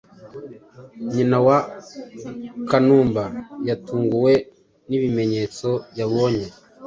Nyina wa Kanumba yatunguwe n'ibimenyetso yabonye